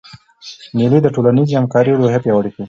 مېلې د ټولنیزي همکارۍ روحیه پیاوړې کوي.